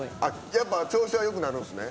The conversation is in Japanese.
やっぱ調子はよくなるんですね。